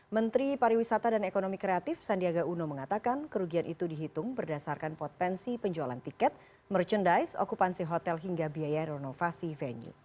menteri pariwisata dan ekonomi kreatif sandiaga uno mengatakan kerugian itu dihitung berdasarkan potensi penjualan tiket merchandise okupansi hotel hingga biaya renovasi venue